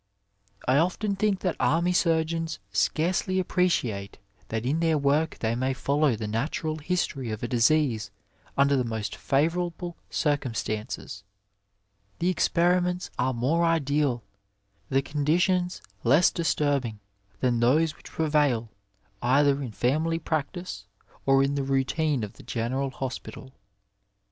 I often think that army surgeons scarcely appreciate that in their work they may follow the natural history of a disease under the most favourable circimistances ; the experiments are more ideal, the conditions less disturbing than those which prevail either in family practice or in ihd routine of the general hospital.